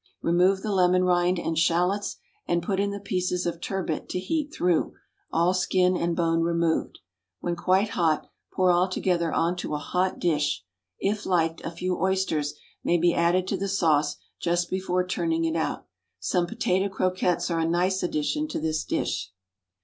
Remove the lemon rind and shallots, and put in the pieces of turbot to heat through, all skin and bone removed. When quite hot, pour all together on to a hot dish; if liked, a few oysters may be added to the sauce just before turning it out. Some potato croquettes are a nice addition to this dish.